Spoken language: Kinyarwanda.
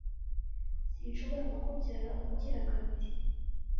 sinshobora kukubyara ubugira kabiri